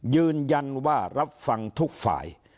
ยืนยันว่ารับฟังทุกฝ่าย